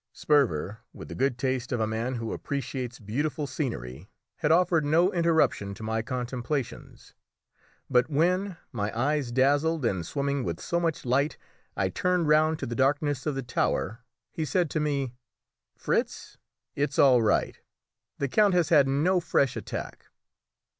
Sperver, with the good taste of a man who appreciates beautiful scenery, had offered no interruption to my contemplations; but when, my eyes dazzled and swimming with so much light, I turned round to the darkness of the tower, he said to me "Fritz, it's all right; the count has had no fresh attack."